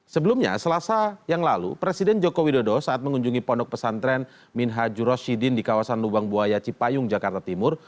sebelumnya selasa yang lalu presiden joko widodo saat mengunjungi pondok pesantren minhajuroshidin di kawasan lubang buaya cipayung jakarta timur